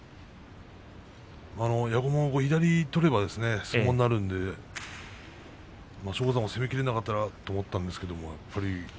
矢後も左を取れば相撲になるので松鳳山、攻めきれなかったなと思ったんですが。